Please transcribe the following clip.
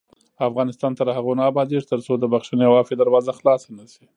افغانستان تر هغو نه ابادیږي، ترڅو د بښنې او عفوې دروازه خلاصه نشي.